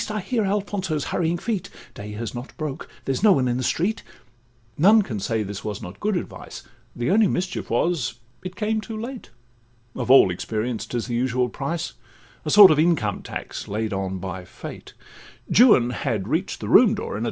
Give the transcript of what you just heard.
I hear Alfonso's hurrying feet— Day has not broke—there's no one in the street: None can say that this was not good advice, The only mischief was, it came too late; Of all experience 'tis the usual price, A sort of income tax laid on by fate: Juan had reach'd the room door in a.